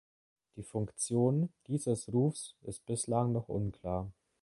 Die Funktion dieses Rufs ist bislang noch unklar.